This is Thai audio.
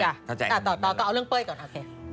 ต่อเอาเรื่องเปิ้ลก่อนนะ